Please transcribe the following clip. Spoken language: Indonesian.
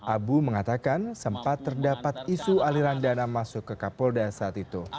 abu mengatakan sempat terdapat isu aliran dana masuk ke kapolda saat itu